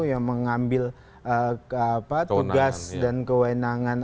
yang mengambil tugas dan kewenangan